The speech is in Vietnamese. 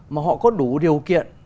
mà họ có đủ điều kiện